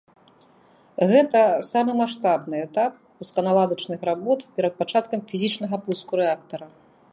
Гэта самы маштабны этап пусканаладачных работ перад пачаткам фізічнага пуску рэактара.